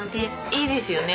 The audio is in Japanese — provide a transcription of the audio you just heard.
いいですよね。